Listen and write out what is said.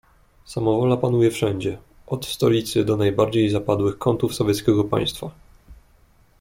"Samowola panuje wszędzie, od stolicy do najbardziej zapadłych kątów sowieckiego państwa."